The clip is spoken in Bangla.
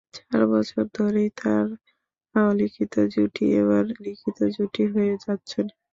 চার বছর ধরেই তাঁরা অলিখিত জুটি, এবার লিখিত জুটি হয়ে যাচ্ছেন।